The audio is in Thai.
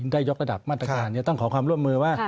ได้ยกระดับมาตรการต้องขอความร่วมมือว่า